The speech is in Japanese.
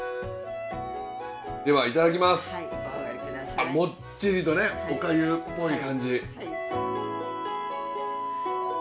あっもっちりとねおかゆっぽい感じ。